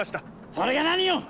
それが何よ